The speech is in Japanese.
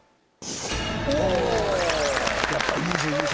おやっぱ２２歳。